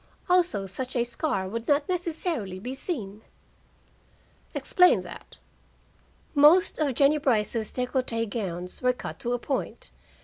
Also, such a scar would not necessarily be seen." "Explain that." "Most of Jennie Brice's décolleté gowns were cut to a point.